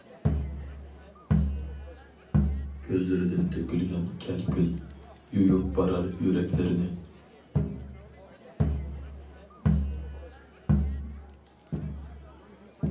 كۆزلىرىدىن تۆكۈلگەن كەلكۈن، يۇيۇپ بارار يۈرەكلىرىنى.